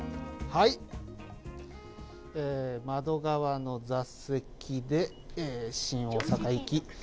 窓側の座席で、新大阪行き。